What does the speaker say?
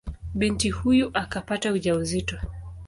Binti huyo akapata ujauzito.